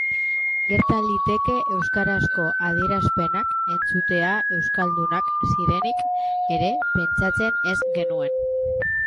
Gerta liteke euskarazko adierazpenak entzutea euskaldunak zirenik ere pentsatzen ez genuen pertsonei.